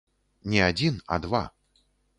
Не адзін, а два.